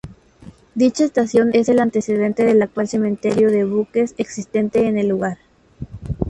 Dicha estación es el antecedente del actual cementerio de buques existente en el lugar.